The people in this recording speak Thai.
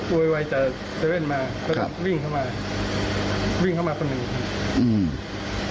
โวยวายจากเซเว่นมาก็วิ่งเข้ามาวิ่งเข้ามาคนหนึ่งครับอืม